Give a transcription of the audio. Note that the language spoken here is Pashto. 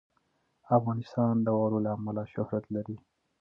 افغانستان د واوره له امله شهرت لري.